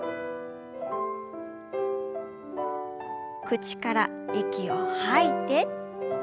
口から息を吐いて。